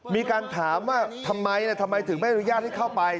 มีการถามว่าทำไมทำไมถึงไม่ระยะที่เข้าไป